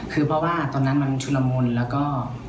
คือเพราะว่าตอนนั้นมันชุนละมุนแล้วก็